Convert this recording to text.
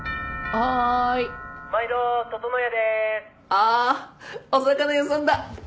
あっお魚屋さんだ。